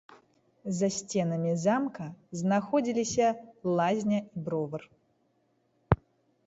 За сценамі замка знаходзіліся лазня і бровар.